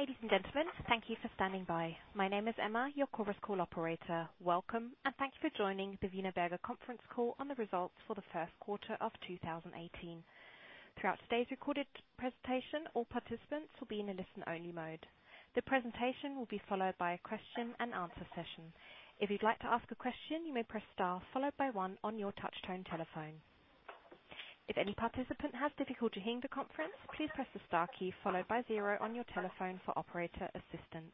Ladies and gentlemen, thank you for standing by. My name is Emma, your Chorus Call operator. Welcome, and thank you for joining the Wienerberger conference call on the results for the first quarter of 2018. Throughout today's recorded presentation, all participants will be in a listen-only mode. The presentation will be followed by a question and answer session. If you'd like to ask a question, you may press star, followed by one on your touchtone telephone. If any participant has difficulty hearing the conference, please press the star key followed by zero on your telephone for operator assistance.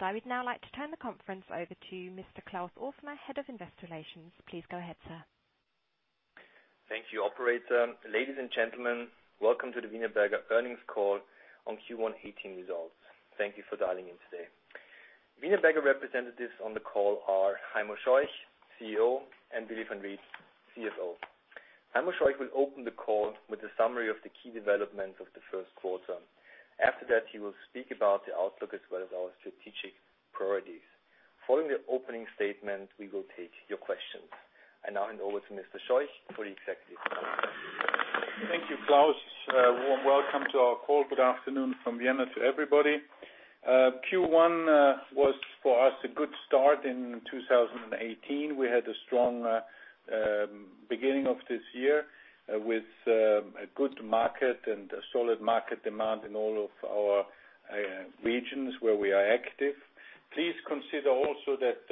I would now like to turn the conference over to Mr. Klaus Ofner, Head of Investor Relations. Please go ahead, sir. Thank you, operator. Ladies and gentlemen, welcome to the Wienerberger earnings call on Q1 2018 results. Thank you for dialing in today. Wienerberger representatives on the call are Heimo Scheuch, CEO, and Willy Van Riet, CFO. Heimo Scheuch will open the call with a summary of the key developments of the first quarter. After that, he will speak about the outlook as well as our strategic priorities. Following the opening statement, we will take your questions. I now hand over to Mr. Scheuch for the executive call. Thank you, Klaus. A warm welcome to our call. Good afternoon from Vienna to everybody. Q1 was for us a good start in 2018. We had a strong beginning of this year with a good market and a solid market demand in all of our regions where we are active. Please consider also that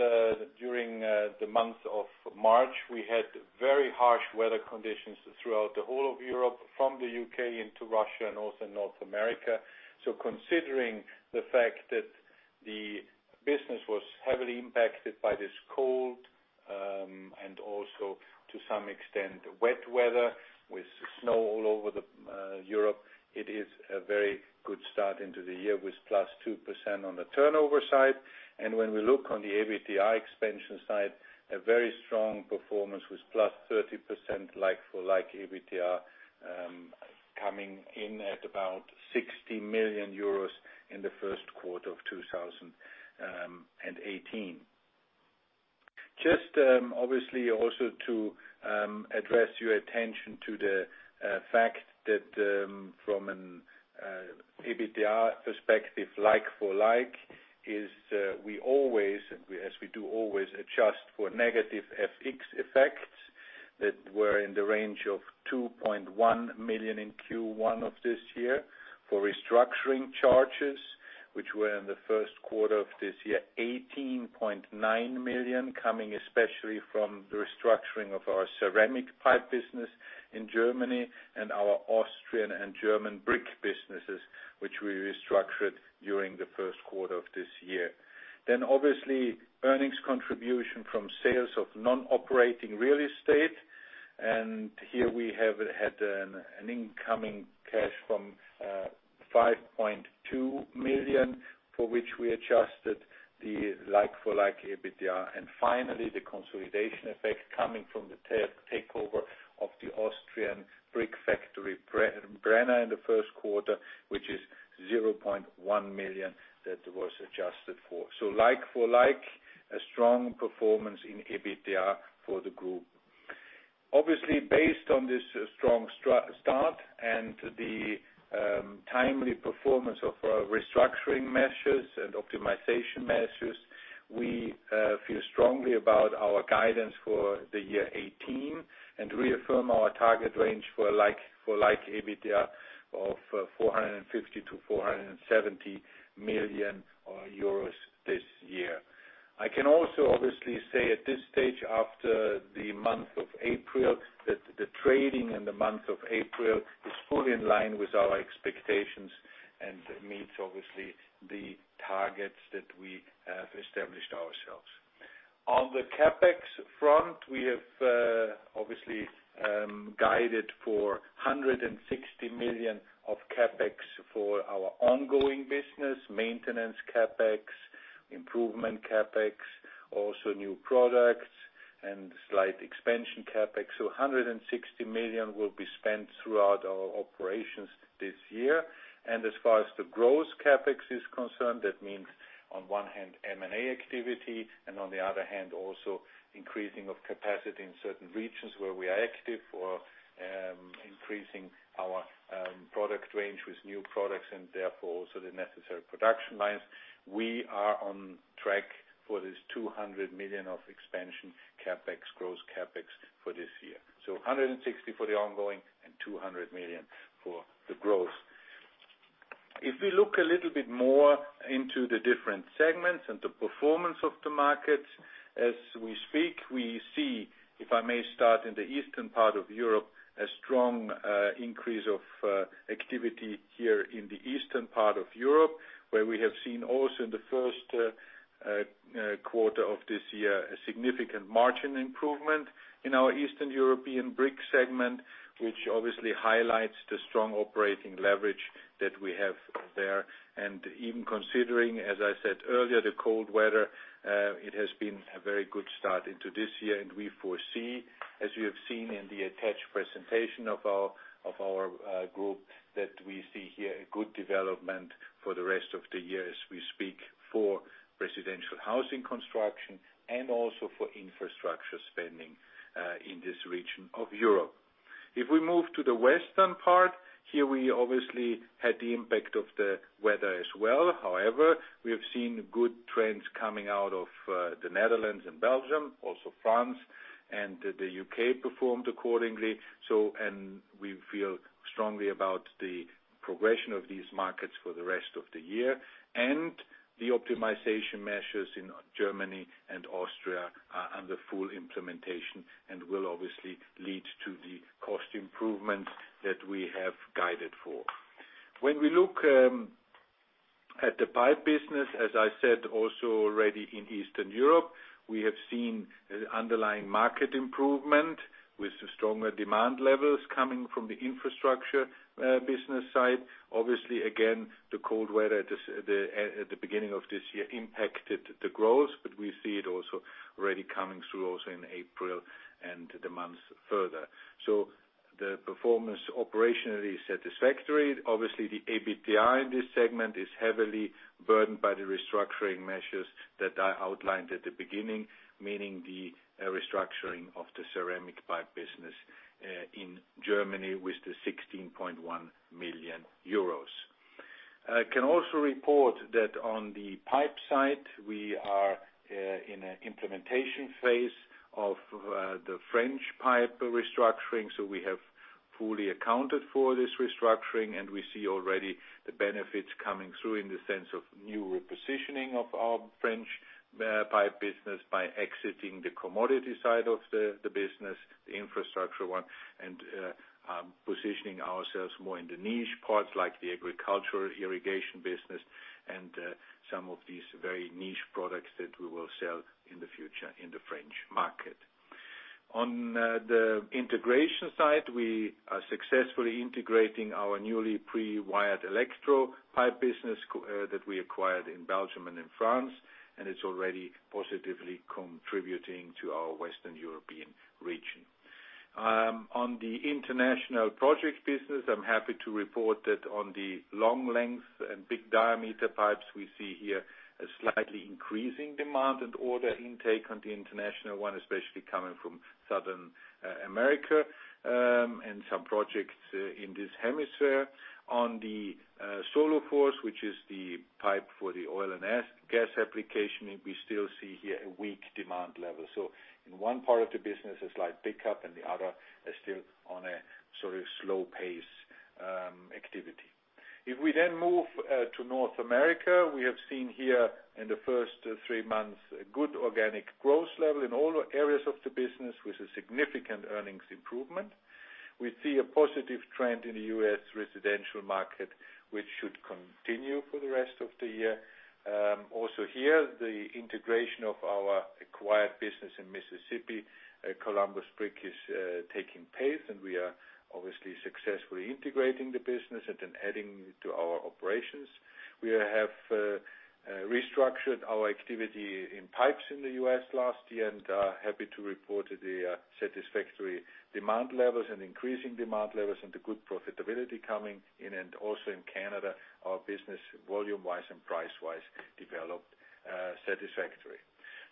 during the month of March, we had very harsh weather conditions throughout the whole of Europe, from the U.K. into Russia and also North America. Considering the fact that the business was heavily impacted by this cold, and also to some extent, wet weather with snow all over Europe, it is a very good start into the year with +2% on the turnover side. When we look on the EBITDA expansion side, a very strong performance with +30% like-for-like EBITDA, coming in at about 60 million euros in the first quarter of 2018. Just obviously also to address your attention to the fact that from an EBITDA perspective, like for like, as we do always adjust for negative FX effects that were in the range of 2.1 million in Q1 of this year, for restructuring charges, which were in the first quarter of this year, 18.9 million coming especially from the restructuring of our ceramic pipe business in Germany and our Austrian and German brick businesses, which we restructured during the first quarter of this year. Obviously, earnings contribution from sales of non-operating real estate. Here we have had an incoming cash from 5.2 million, for which we adjusted the like-for-like EBITDA. Finally, the consolidation effect coming from the takeover of the Austrian brick factory, Brenner, in the first quarter, which is 0.1 million that was adjusted for. Like for like, a strong performance in EBITDA for the Group. Obviously, based on this strong start and the timely performance of our restructuring measures and optimization measures, we feel strongly about our guidance for the year 2018 and reaffirm our target range for like-for-like EBITDA of 450 million to 470 million euros this year. I can also obviously say at this stage, after the month of April, that the trading in the month of April is fully in line with our expectations and meets obviously the targets that we have established ourselves. On the CapEx front, we have obviously guided for 160 million of CapEx for our ongoing business, maintenance CapEx, improvement CapEx, also new products, and slight expansion CapEx. 160 million will be spent throughout our operations this year. As far as the gross CapEx is concerned, that means on one hand, M&A activity, and on the other hand, also increasing of capacity in certain regions where we are active or increasing our product range with new products and therefore also the necessary production lines. We are on track for this 200 million of expansion CapEx, gross CapEx for this year. 160 for the ongoing and 200 million for the growth. We look a little bit more into the different segments and the performance of the markets, as we speak, we see, if I may start in the eastern part of Europe, a strong increase of activity here in the eastern part of Europe, where we have seen also in the first quarter of this year, a significant margin improvement in our Eastern European brick segment, which obviously highlights the strong operating leverage that we have there. Even considering, as I said earlier, the cold weather, it has been a very good start into this year, and we foresee, as you have seen in the attached presentation of our group, that we see here a good development for the rest of the year as we speak for residential housing construction and also for infrastructure spending in this region of Europe. We move to the Western part, here we obviously had the impact of the weather as well. However, we have seen good trends coming out of the Netherlands and Belgium, also France, and the U.K. performed accordingly. We feel strongly about the progression of these markets for the rest of the year. The optimization measures in Germany and Austria are under full implementation and will obviously lead to the cost improvements that we have guided for. When we look at the pipe business, as I said, also already in Eastern Europe, we have seen underlying market improvement with stronger demand levels coming from the infrastructure business side. Obviously, again, the cold weather at the beginning of this year impacted the growth, but we see it also already coming through also in April and the months further. The performance operationally is satisfactory. Obviously, the EBIT in this segment is heavily burdened by the restructuring measures that I outlined at the beginning, meaning the restructuring of the ceramic pipe business in Germany with the 16.1 million euros. I can also report that on the pipe side, we are in an implementation phase of the French pipe restructuring. We have fully accounted for this restructuring, and we see already the benefits coming through in the sense of new repositioning of our French pipe business by exiting the commodity side of the business, the infrastructure one, and positioning ourselves more in the niche parts like the agricultural irrigation business and some of these very niche products that we will sell in the future in the French market. On the integration side, we are successfully integrating our newly pre-wired electro pipe business that we acquired in Belgium and in France, and it's already positively contributing to our Western European region. On the international project business, I'm happy to report that on the long length and big diameter pipes, we see here a slightly increasing demand and order intake on the international one, especially coming from South America, and some projects in this hemisphere. On the Soluforce, which is the pipe for the oil and gas application, we still see here a weak demand level. In one part of the business, a slight pickup, and the other is still on a slow pace activity. If we move to North America, we have seen here in the first three months, a good organic growth level in all areas of the business with a significant earnings improvement. We see a positive trend in the U.S. residential market, which should continue for the rest of the year. Also here, the integration of our acquired business in Mississippi, Columbus Brick is taking pace, and we are obviously successfully integrating the business and then adding to our operations. We have restructured our activity in pipes in the U.S. last year and are happy to report the satisfactory demand levels and increasing demand levels and the good profitability coming in. Also in Canada, our business volume-wise and price-wise developed satisfactory.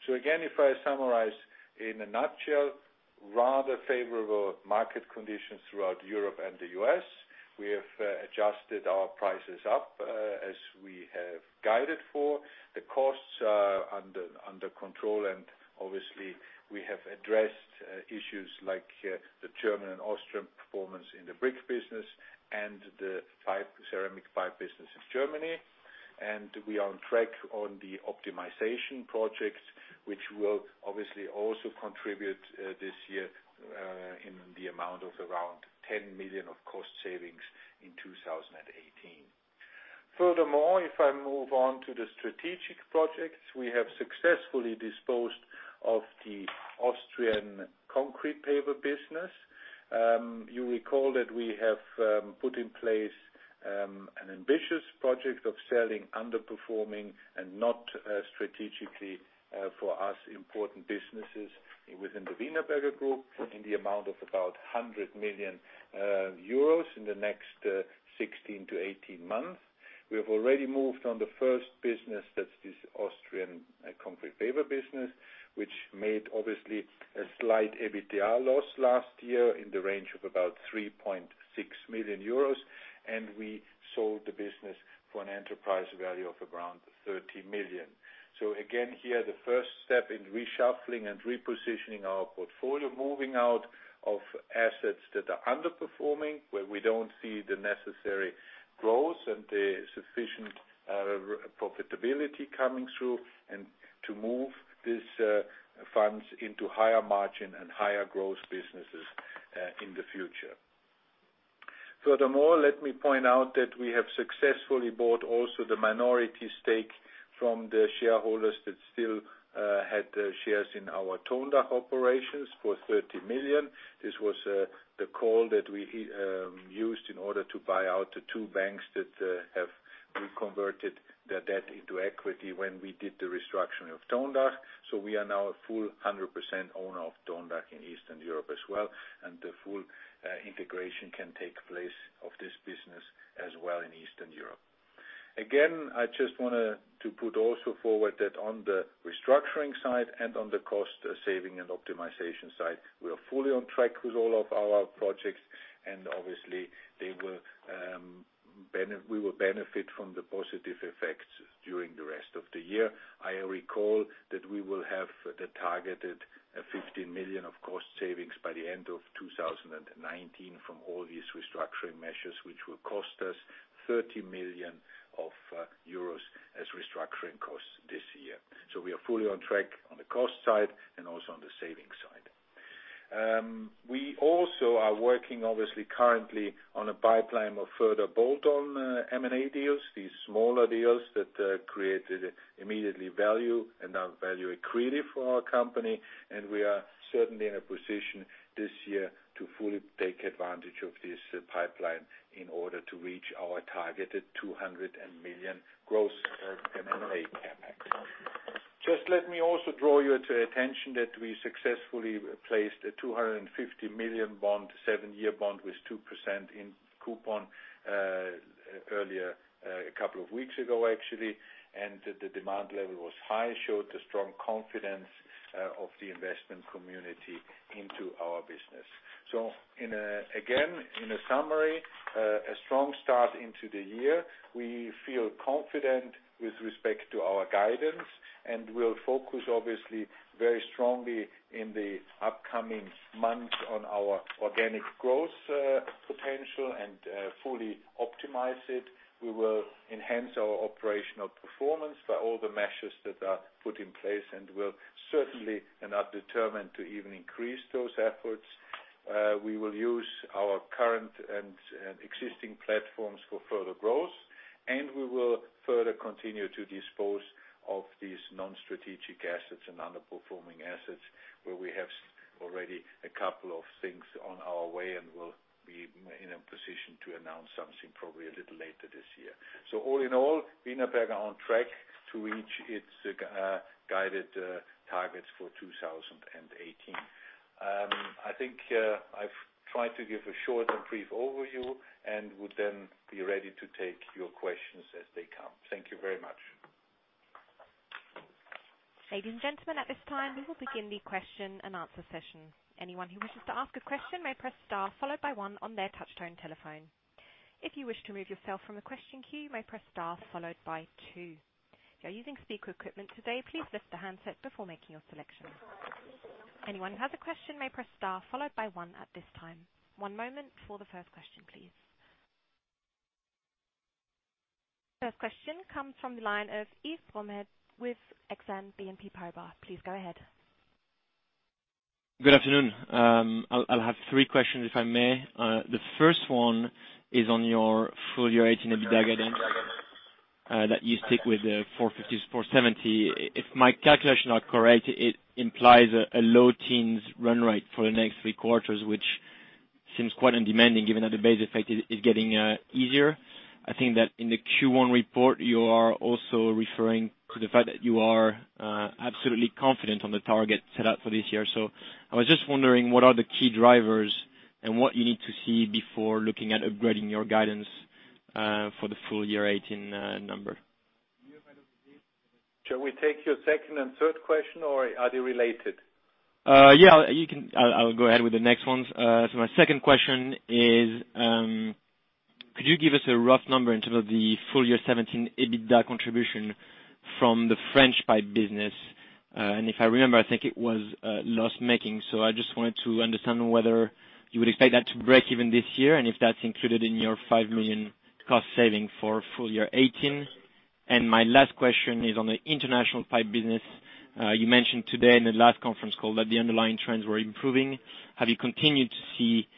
Again, if I summarize in a nutshell, rather favorable market conditions throughout Europe and the U.S. We have adjusted our prices up as we have guided for. The costs are under control, and obviously, we have addressed issues like the German and Austrian performance in the brick business and the ceramic pipe business in Germany. We are on track on the optimization projects, which will obviously also contribute this year in the amount of around 10 million of cost savings in 2018. Furthermore, if I move on to the strategic projects, we have successfully disposed of the Austrian concrete paver business. You recall that we have put in place an ambitious project of selling underperforming and not strategically for us important businesses within the Wienerberger Group in the amount of about 100 million euros in the next 16 to 18 months. We have already moved on the first business, that's this Austrian concrete paver business, which made obviously a slight EBIT loss last year in the range of about 3.6 million euros, and we sold the business for an enterprise value of around 30 million. Again, here, the first step in reshuffling and repositioning our portfolio, moving out of assets that are underperforming, where we don't see the necessary growth and the sufficient profitability coming through, and to move these funds into higher margin and higher growth businesses in the future. Furthermore, let me point out that we have successfully bought also the minority stake from the shareholders that still had shares in our Tondach operations for 30 million. This was the call that we used in order to buy out the two banks that have reconverted their debt into equity when we did the restructuring of Tondach. We are now a full 100% owner of Tondach in Eastern Europe as well, and the full integration can take place of this business as well in Eastern Europe. Again, I just want to put also forward that on the restructuring side and on the cost saving and optimization side, we are fully on track with all of our projects. Obviously, we will benefit from the positive effects during the rest of the year. I recall that we will have the targeted 15 million of cost savings by the end of 2019 from all these restructuring measures, which will cost us 30 million euros as restructuring costs this year. We are fully on track on the cost side and also on the savings side. We also are working, obviously currently, on a pipeline of further bolt-on M&A deals. These smaller deals that created immediately value and are value accretive for our company. We are certainly in a position this year to fully take advantage of this pipeline in order to reach our targeted 200 million gross M&A CapEx. Just let me also draw your attention that we successfully placed a 250 million bond, 7-year bond with 2% in coupon earlier, a couple of weeks ago actually. The demand level was high, showed the strong confidence of the investment community into our business. Again, in a summary, a strong start into the year. We feel confident with respect to our guidance, and we'll focus obviously very strongly in the upcoming months on our organic growth potential and fully optimize it. We will enhance our operational performance by all the measures that are put in place, and we're certainly and are determined to even increase those efforts. We will use our current and existing platforms for further growth, we will further continue to dispose of these non-strategic assets and underperforming assets, where we have already a couple of things on our way and we'll be in a position to announce something probably a little later this year. All in all, Wienerberger on track to reach its guided targets for 2018. I think I've tried to give a short and brief overview and would then be ready to take your questions as they come. Thank you very much. Ladies and gentlemen, at this time, we will begin the question and answer session. Anyone who wishes to ask a question may press star followed by one on their touchtone telephone. If you wish to remove yourself from the question queue, you may press star followed by two. If you're using speaker equipment today, please lift the handset before making your selection. Anyone who has a question may press star followed by one at this time. One moment for the first question, please. First question comes from the line of Yves Bromehead with Exane BNP Paribas. Please go ahead. Good afternoon. I'll have three questions, if I may. The first one is on your full year 2018 EBITDA guidance that you stick with the 450 million-470 million. If my calculations are correct, it implies a low teens run rate for the next three quarters, which seems quite undemanding given that the base effect is getting easier. I think that in the Q1 report you are also referring to the fact that you are absolutely confident on the target set out for this year. I was just wondering what are the key drivers and what you need to see before looking at upgrading your guidance for the full year 2018 number. Shall we take your second and third question, or are they related? Yeah. I'll go ahead with the next ones. My second question is, could you give us a rough number in terms of the full year 2017 EBITDA contribution from the French pipe business? If I remember, I think it was loss-making. I just wanted to understand whether you would expect that to break even this year and if that's included in your 5 million cost saving for full year 2018. My last question is on the international pipe business. You mentioned today in the last conference call that the underlying trends were improving. Have you continued to see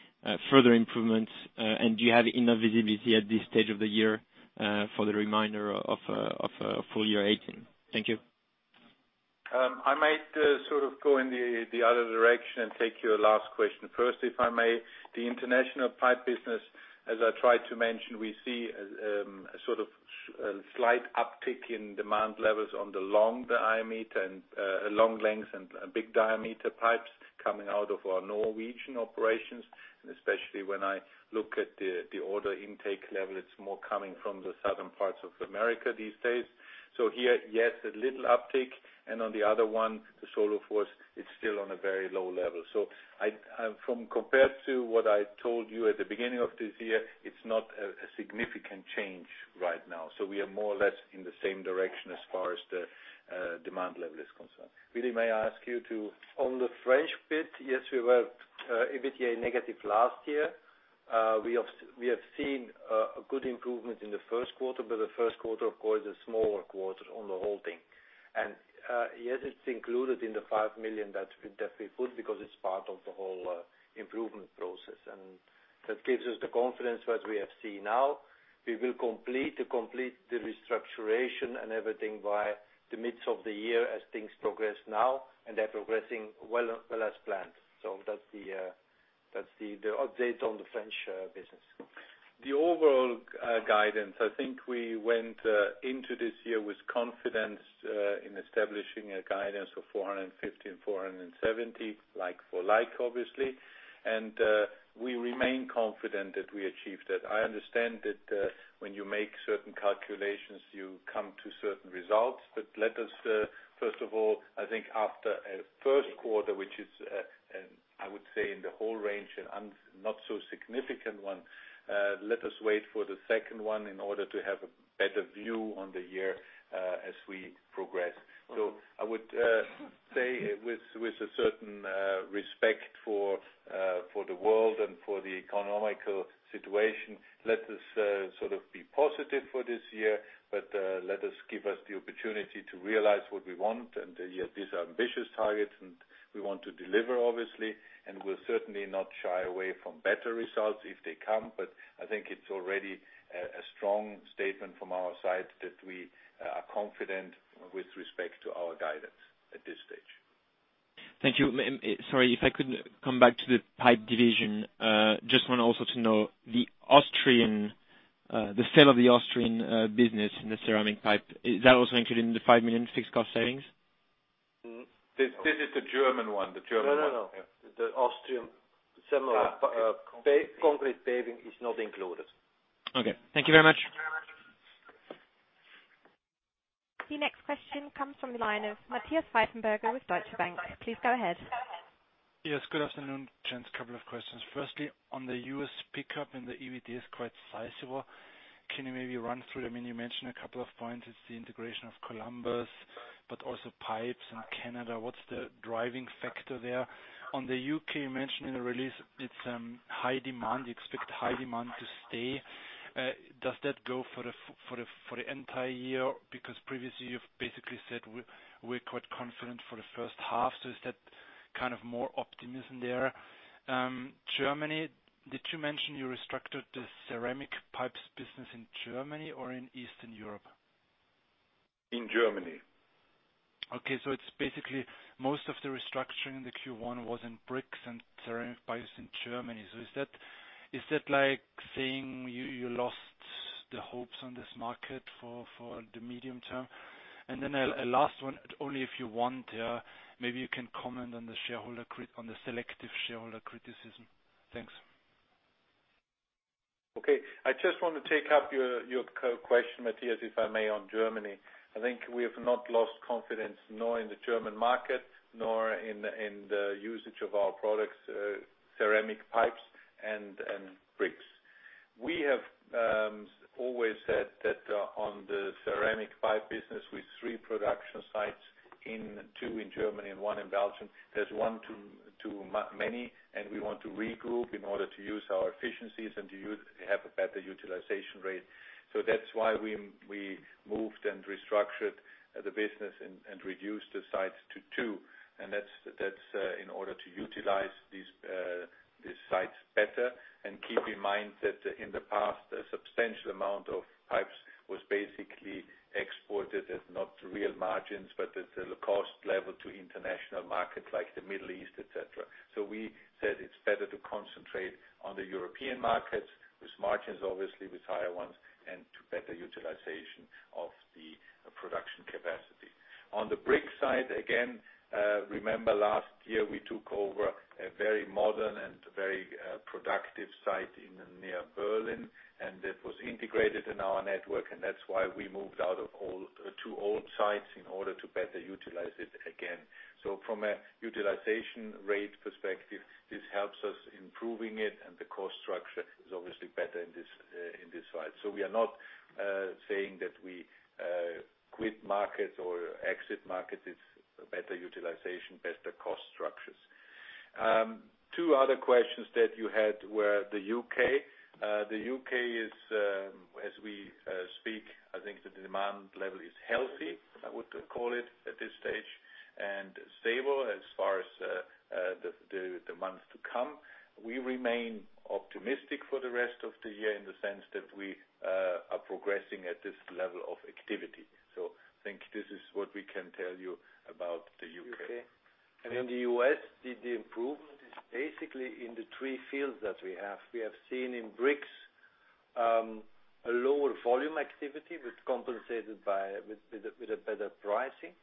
further improvements? Do you have enough visibility at this stage of the year for the remainder of full year 2018? Thank you. I might sort of go in the other direction and take your last question first, if I may. The international pipe business, as I tried to mention, we see a sort of slight uptick in demand levels on the long diameter and long lengths and big diameter pipes coming out of our Norwegian operations. Especially when I look at the order intake level, it's more coming from the southern parts of South America these days. Here, yes, a little uptick. On the other one, the Soluforce, it's still on a very low level. Compared to what I told you at the beginning of this year, it's not a significant change right now. We are more or less in the same direction as far as the demand level is concerned. Willy, may I ask you to? On the French bit, yes, we were EBITDA negative last year. We have seen a good improvement in the first quarter, but the first quarter, of course, is a smaller quarter on the whole thing. Yes, it's included in the 5 million that we put because it's part of the whole improvement process. That gives us the confidence what we have seen now. We will complete the restructuration and everything by the midst of the year as things progress now, and they're progressing well as planned. That's the update on the French business. The overall guidance, I think we went into this year with confidence in establishing a guidance of 450 million and 470 million, like for like, obviously, we remain confident that we achieved that. I understand that when you make certain calculations, you come to certain results. Let us, first of all, I think after a first quarter, which is I would say in the whole range and not so significant one, let us wait for the second one in order to have a better view on the year as we progress. I would say with a certain respect for the world and for the economical situation, let us be positive for this year, but let us give us the opportunity to realize what we want. These are ambitious targets, and we want to deliver, obviously, and we'll certainly not shy away from better results if they come. I think it's already a strong statement from our side that we are confident with respect to our guidance at this stage. Thank you. Sorry, if I could come back to the pipe division. Just want also to know the sale of the Austrian business in the ceramic pipe, is that also included in the 5 million fixed cost savings? This is the German one. No. The Austrian concrete paving is not included. Okay. Thank you very much. The next question comes from the line of Matthias Pfeifenberger with Deutsche Bank. Please go ahead. Yes, good afternoon, gents. Couple of questions. Firstly, on the U.S. pickup and the EBITDA is quite sizable. Can you maybe run through? You mentioned a couple of points. It's the integration of Columbus, but also pipes in Canada. What's the driving factor there? On the U.K., you mentioned in the release it's high demand. You expect high demand to stay. Does that go for the entire year? Because previously you've basically said we're quite confident for the first half. Is that more optimism there? Germany, did you mention you restructured the ceramic pipes business in Germany or in Eastern Europe? In Germany. Okay. It's basically most of the restructuring in the Q1 was in bricks and ceramic pipes in Germany. Is that like saying you lost the hopes on this market for the medium term? A last one, only if you want, maybe you can comment on the selective shareholder criticism. Thanks. I just want to take up your question, Matthias, if I may, on Germany. I think we have not lost confidence, nor in the German market, nor in the usage of our products, ceramic pipes and bricks. We have always said that on the ceramic pipe business with three production sites, two in Germany and one in Belgium, there's one too many, and we want to regroup in order to use our efficiencies and to have a better utilization rate. That's why we moved and restructured the business and reduced the sites to two, and that's in order to utilize these sites better. Keep in mind that in the past, a substantial amount of pipes was basically exported at not real margins, but at the cost level to international markets like the Middle East, et cetera. We said it's better to concentrate on the European markets with margins, obviously with higher ones, and to better utilization of the production capacity. On the brick site, again, remember last year we took over a very modern and very productive site near Berlin, and it was integrated in our network, and that's why we moved out of two old sites in order to better utilize it again. From a utilization rate perspective, this helps us improving it, and the cost structure is obviously better in this site. We are not saying that we quit markets or exit markets. It's better utilization, better cost structures. Two other questions that you had were the U.K. The U.K. is, as we speak, I think the demand level is healthy, I would call it at this stage, and stable as far as the months to come. We remain optimistic for the rest of the year in the sense that we are progressing at this level of activity. I think this is what we can tell you about the U.K. In the U.S., the improvement is basically in the three fields that we have. We have seen in bricks a lower volume activity, but compensated with a better pricing.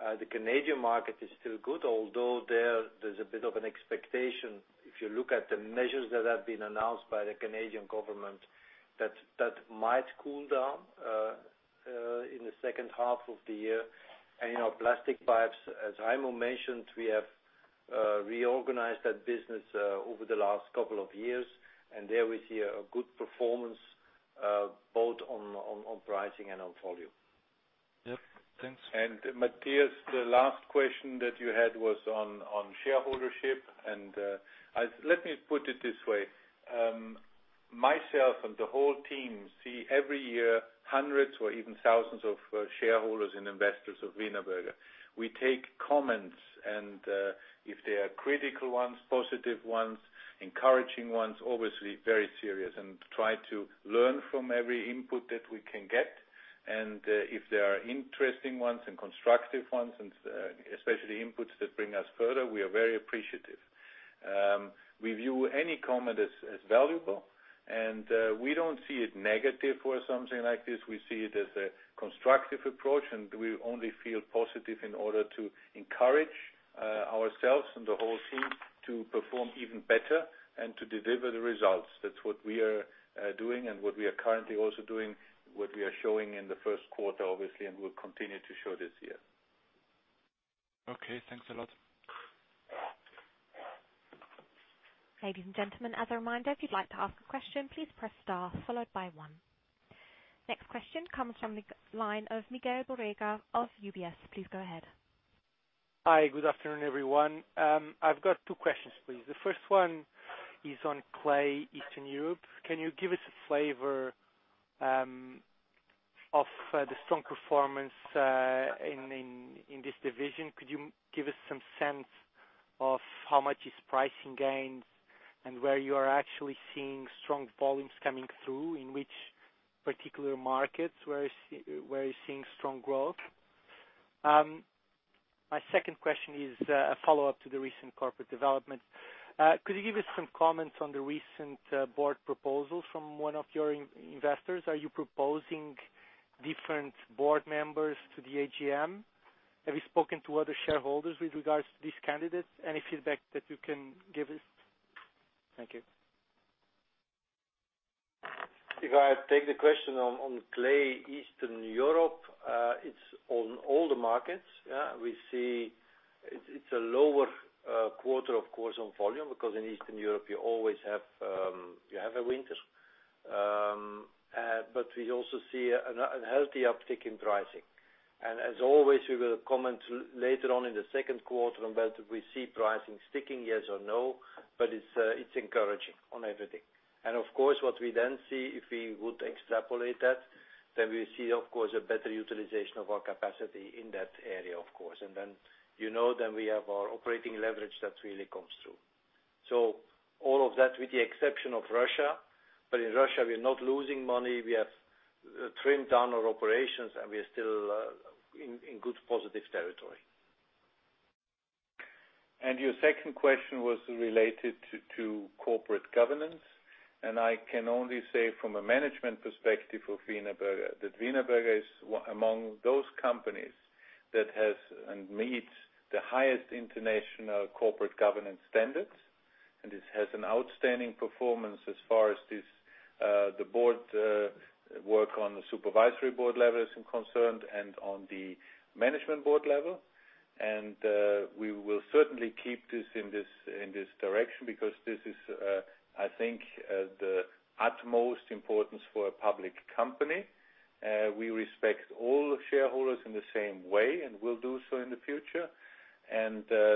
The Canadian market is still good, although there's a bit of an expectation if you look at the measures that have been announced by the Canadian government that might cool down in the second half of the year. Plastic pipes, as Heimo mentioned, we have reorganized that business over the last couple of years, and there we see a good performance both on pricing and on volume. Yep. Thanks. Matthias, the last question that you had was on shareholdership, and let me put it this way. Myself and the whole team see every year hundreds or even thousands of shareholders and investors of Wienerberger. We take comments, and if they are critical ones, positive ones, encouraging ones, obviously very serious, and try to learn from every input that we can get. If there are interesting ones and constructive ones, and especially inputs that bring us further, we are very appreciative. We view any comment as valuable, and we don't see it negative or something like this. We see it as a constructive approach, and we only feel positive in order to encourage ourselves and the whole team to perform even better and to deliver the results. That's what we are doing and what we are currently also doing, what we are showing in the first quarter, obviously, and we'll continue to show this year. Okay, thanks a lot. Ladies and gentlemen, as a reminder, if you'd like to ask a question, please press star followed by one. Next question comes from the line of Miguel Borrega of UBS. Please go ahead. Hi. Good afternoon, everyone. I've got two questions, please. The first one is on clay Eastern Europe. Can you give us a flavor of the strong performance in this division? Could you give us some sense of how much is pricing gains and where you are actually seeing strong volumes coming through, in which particular markets where you're seeing strong growth? My second question is a follow-up to the recent corporate development. Could you give us some comments on the recent board proposals from one of your investors? Are you proposing different board members to the AGM? Have you spoken to other shareholders with regards to these candidates? Any feedback that you can give us? Thank you. If I take the question on clay Eastern Europe, it's on all the markets. We see it's a lower quarter, of course, on volume, because in Eastern Europe you have a winter. We also see a healthy uptick in pricing. As always, we will comment later on in the second quarter on whether we see pricing sticking, yes or no. It's encouraging on everything. Of course, what we then see, if we would extrapolate that, we see, of course, a better utilization of our capacity in that area. You know that we have our operating leverage that really comes through. All of that, with the exception of Russia. In Russia, we're not losing money. We have trimmed down our operations, and we are still in good, positive territory. Your second question was related to corporate governance. I can only say from a management perspective of Wienerberger, that Wienerberger is among those companies that has and meets the highest international corporate governance standards, and it has an outstanding performance as far as the board work on the supervisory board level is concerned and on the management board level. We will certainly keep this in this direction because this is I think the utmost importance for a public company. We respect all shareholders in the same way and will do so in the future.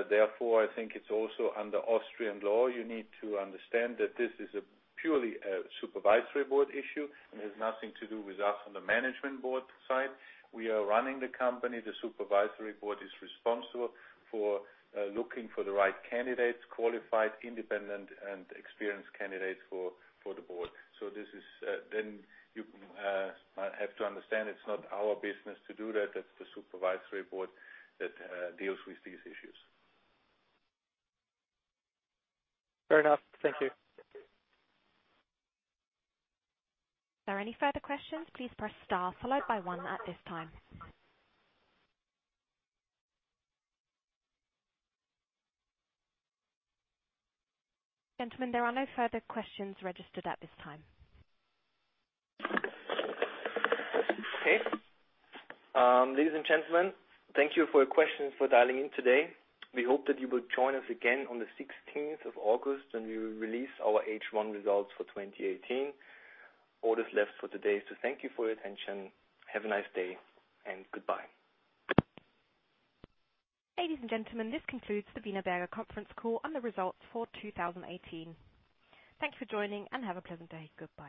Therefore, I think it's also under Austrian law. You need to understand that this is purely a supervisory board issue and has nothing to do with us on the management board side. We are running the company. The supervisory board is responsible for looking for the right candidates, qualified, independent, and experienced candidates for the board. You have to understand, it's not our business to do that. That's the supervisory board that deals with these issues. Fair enough. Thank you. Are there any further questions? Please press star followed by one at this time. Gentlemen, there are no further questions registered at this time. Okay. Ladies and gentlemen, thank you for your questions, for dialing in today. We hope that you will join us again on the 16th of August when we release our H1 results for 2018. All that's left for today is to thank you for your attention. Have a nice day, and goodbye. Ladies and gentlemen, this concludes the Wienerberger conference call on the results for 2018. Thank you for joining, and have a pleasant day. Goodbye.